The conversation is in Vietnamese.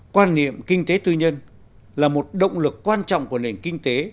quan niệm kinh tế tư nhân là một động lực quan trọng của nền kinh tế